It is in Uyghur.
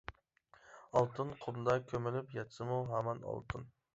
ئالتۇن قۇمدا كۆمۈلۈپ ياتسىمۇ ھامان ئالتۇن.